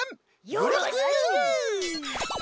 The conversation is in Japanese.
よろしく！